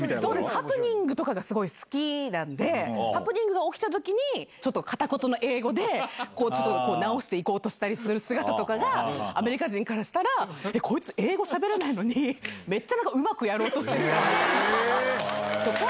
ハプニングとかがすごい好きなんで、ハプニングが起きたときに、ちょっと片言の英語でこうちょっと直していこうとしたりする姿とかが、アメリカ人からしたら、こいつ、英語しゃべれないのに、めっちゃなんかうまくやろうとしてるなみたいなとか。